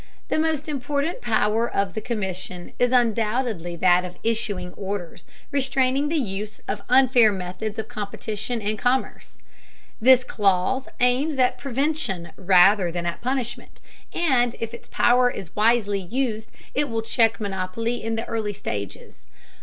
The most important power of the Commission is undoubtedly that of issuing orders restraining the use of "unfair methods of competition in commerce." This clause aims at prevention rather than at punishment, and if its power is wisely used it will check monopoly in the early stages.